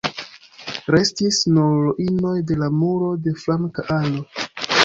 Restis nur ruinoj de la muro de flanka alo.